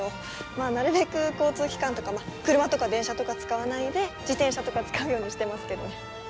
まあなるべく交通機関とか車とか電車とか使わないで自転車とか使うようにしてますけどね。